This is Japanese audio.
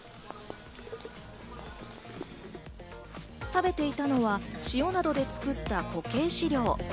食べていたのは塩などで作った固形飼料。